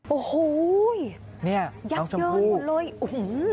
โอ้โหนี่น้องชมพูก